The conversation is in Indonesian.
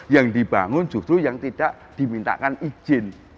yang dibangun justru yang tidak dimintakan izin